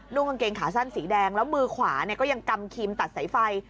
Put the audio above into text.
กางเกงขาสั้นสีแดงแล้วมือขวาก็ยังกำครีมตัดสายไฟ